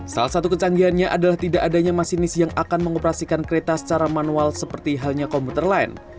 salah satu kecanggihannya adalah tidak adanya masinis yang akan mengoperasikan kereta secara manual seperti halnya komputer lain